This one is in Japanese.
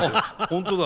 本当だ！